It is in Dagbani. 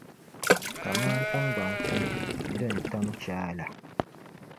kaman tiŋgbaŋ’ kuŋ din tam chaai la.